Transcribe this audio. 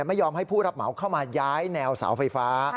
ไม่ยอมให้ผู้รับเหมาเข้ามาย้ายแนวเสาไฟฟ้า